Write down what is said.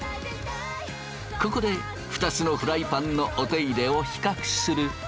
ここで２つのフライパンのお手入れを比較すると。